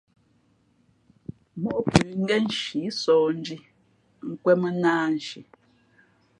Móʼ pʉ̌ ngén nshǐ sǒh ndhī nkwēn mᾱ nāānshi.